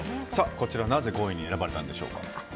こちら、なぜ５位に選ばれたんでしょうか？